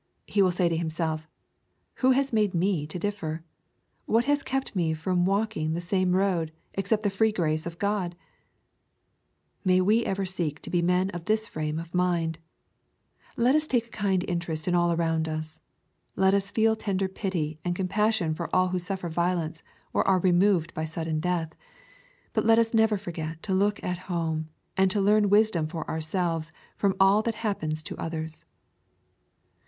He will say to himself, " Who has made me to differ ? What has kept me from walking in the same road, except the free grace of God ?" May we ever seek to be men of this frame of mind 1 Let us take a kind interest in all around us. Let us feel tender pity and compassion for all who suffer violence, or ara removed by sudden death. But let us never forget to look at home, and to learn wisdom for ourselves from all that happens to others.